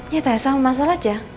ya tak ada masalah aja